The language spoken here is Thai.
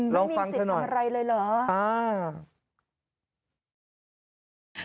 ลองฟังกันหน่อยอืมไม่มีสิทธิ์ทำอะไรเลยเหรอ